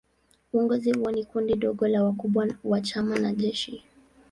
Uongozi huo ni kundi dogo la wakubwa wa chama na jeshi.